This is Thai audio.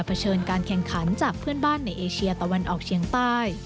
เชิญการแข่งขันจากเพื่อนบ้านในเอเชียตะวันออกเชียงใต้